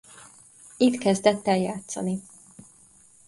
Itt kezdett el játszani.